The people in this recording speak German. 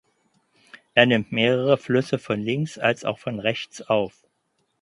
Er nimmt mehrere Flüsse von links als auch von rechts auf.